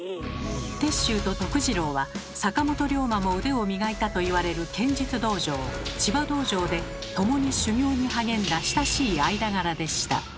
鉄舟と治郎は坂本龍馬も腕を磨いたといわれる剣術道場「千葉道場」で共に修行に励んだ親しい間柄でした。